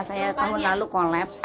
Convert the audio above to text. saya tahun lalu kolaps